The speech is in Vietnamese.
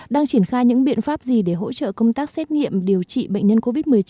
đang triển khai những biện pháp gì để hỗ trợ công tác xét nghiệm điều trị bệnh nhân covid một mươi chín